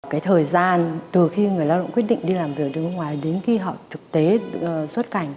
cái thời gian từ khi người lao động quyết định đi làm việc ở nước ngoài đến khi họ thực tế xuất cảnh